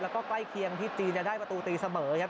แล้วก็ใกล้เคียงที่จีนจะได้ประตูตีเสมอครับ